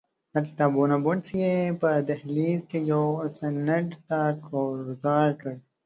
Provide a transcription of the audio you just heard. د کتابونو بکس یې په دهلیز کې یوه څنګ ته ګوزار کړ.